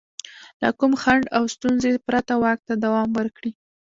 له کوم خنډ او ستونزې پرته واک ته دوام ورکړي.